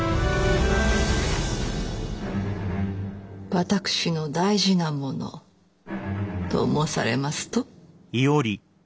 私の大事なものと申されますと？